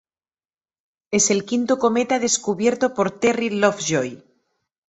Es el quinto cometa descubierto por Terry Lovejoy.